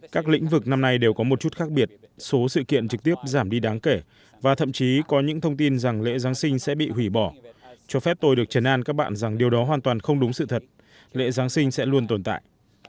các lĩnh vực năm nay đều có một chút khác biệt số sự kiện trực tiếp giảm đi đáng kể và thậm chí có những thông tin rằng lễ giáng sinh sẽ bị hủy bỏ cho phép tôi được chấn an các bạn rằng điều đó hoàn toàn không đúng sự thật lễ giáng sinh sẽ luôn tồn tại